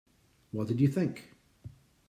What did you think?